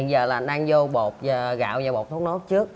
hiện giờ là anh đang vô bột gạo và bột thốt nốt trước